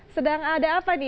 sedang ada apa nih